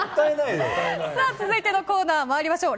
続いてのコーナー参りましょう。